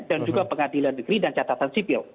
dan juga pengadilan negeri dan catatan sipil